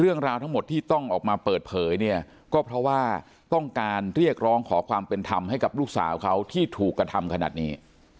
เรื่องราวทั้งหมดที่ต้องออกมาเปิดเผยเนี่ยก็เพราะว่าต้องการเรียกร้องขอความเป็นธรรมให้กับลูกสาวเขาที่ถูกกระทำขนาดนี้